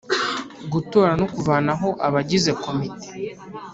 Gutora no kuvanaho abagize komite